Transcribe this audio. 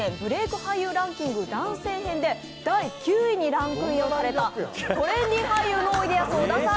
俳優ランキング男性編で第９位にランクインをされたトレンディー俳優のいや！